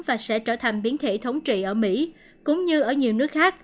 và sẽ trở thành biến thể thống trị ở mỹ cũng như ở nhiều nước khác